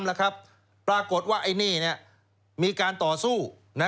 อะไรเจ้ารถที่ก็ตามปรากฏว่าในมีการต่อสู้